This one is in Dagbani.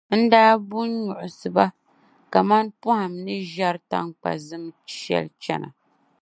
n daa bu n-nuɣisi ba kaman pɔhim ni ʒiɛri taŋkpa’ zim shɛli chana.